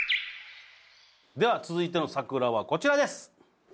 では続いての桜はこちらです！